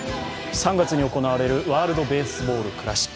３月に行われるワールドベースボールクラシック。